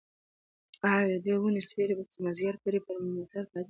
ایا د دې ونې سیوری به تر مازدیګره پورې پر موټر پاتې شي؟